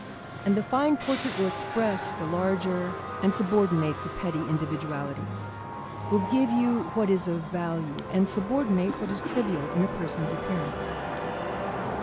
And the fine portrait will express the larger and subordinate the petty individualities, will give you what is of value, and subordinate what is trivial in a person's appearance.